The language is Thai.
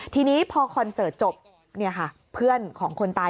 ทีนี้พอคอนเสิร์ตจบเพื่อนของคนตาย